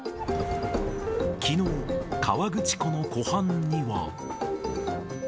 きのう、河口湖の湖畔には。